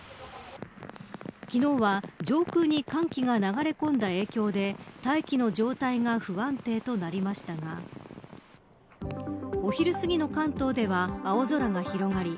昨日は上空に寒気が流れ込んだ影響で大気の状態が不安定となりましたがお昼すぎの関東では青空が広がり